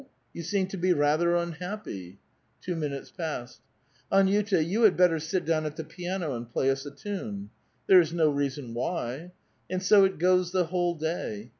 you seem to be rather unhappy.' Two minutes pass. 'Ani uta, you had better sit down at the piano and play us a* tune' ;* there is no reason why. And so it goes the whole day.